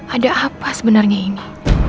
ada apa sebenarnya ini